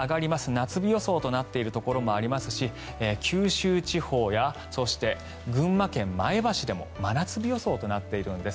夏日予想となっているところもありますし九州地方やそして群馬県前橋でも真夏日予想となっているんです。